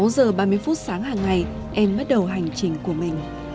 sáu giờ ba mươi phút sáng hàng ngày em bắt đầu hành trình của mình